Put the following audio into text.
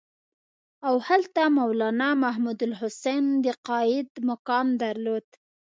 او هلته مولنا محمودالحسن د قاید مقام درلود.